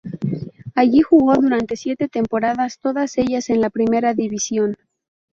Allí jugó durante siete temporadas, todas ellas en la Primera División.